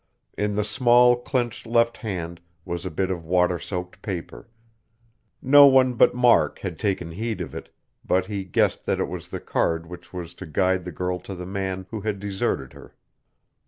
In the small clinched left hand was a bit of water soaked paper. No one but Mark had taken heed of it, but he guessed that it was the card which was to guide the girl to the man who had deserted her.